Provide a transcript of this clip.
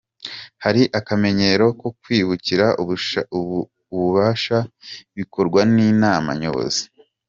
"Hari akamenyero ko kwikubira ububasha bikorwa n'inama nyobozi".